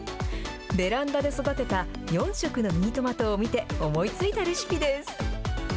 ベランダで育てた４色のミニトマトを見て思いついたレシピです。